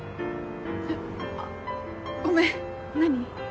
えっあごめん何？